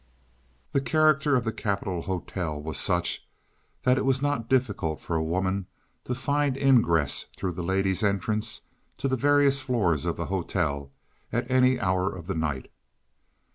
The character of the Capitol Hotel was such that it was not difficult for a woman to find ingress through the ladies' entrance to the various floors of the hotel at any hour of the night.